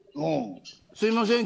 すいません